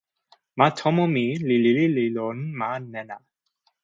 ma tomo mi li lili li lon ma nena.